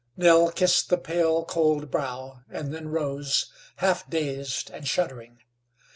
Nell kissed the pale, cold brow, and then rose, half dazed and shuddering.